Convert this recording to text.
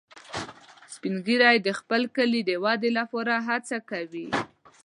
سپین ږیری د خپل کلي د ودې لپاره هڅې کوي